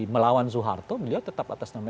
melawan soeharto beliau tetap atas nama